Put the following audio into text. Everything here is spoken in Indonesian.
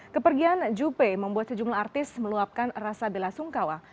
kepergian juppe membuat sejumlah artis meluapkan rasa bela sungkawa